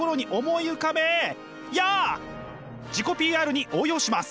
自己ＰＲに応用します。